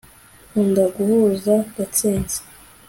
nkunda guhuza. gatsinzi